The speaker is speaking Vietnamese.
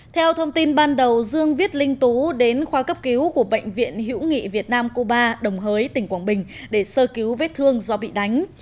theo thông tin ban đầu dương viết linh tú đến khoa cấp cứu của bệnh viện hữu nghị việt nam cuba đồng hới tỉnh quảng bình để sơ cứu vết thương do bị đánh